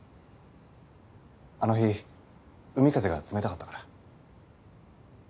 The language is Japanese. あの日海風が冷たかったから。